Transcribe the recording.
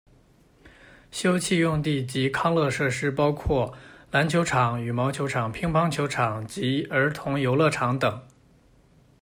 休憩用地及康乐设施包括篮球场、羽毛球场、乒乓球场及儿童游乐场等。